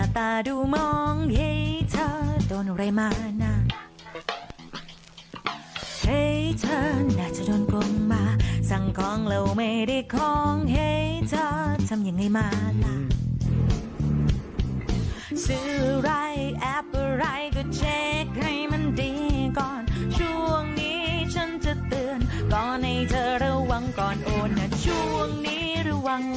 เป็นเพลงขึ้นมาค่ะ